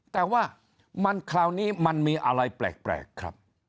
แต่ว่ามันคราวนี้มันมีอะไรแปลกครับ